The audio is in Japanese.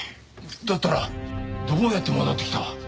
だったらどうやって戻ってきた？